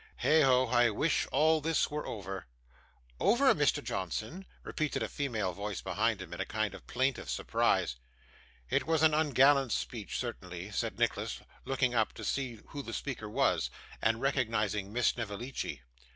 'Heigho! I wish all this were over.' 'Over, Mr. Johnson!' repeated a female voice behind him, in a kind of plaintive surprise. 'It was an ungallant speech, certainly,' said Nicholas, looking up to see who the speaker was, and recognising Miss Snevellicci.